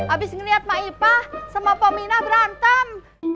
abis ngeliat mak ipa sama pominah berantem